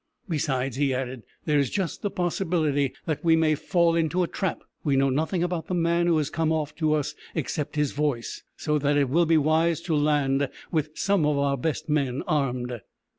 "Besides," he added, "there is just the possibility that we may fall into a trap. We know nothing about the man who has come off to us except his voice, so that it will be wise to land with some of our best men armed."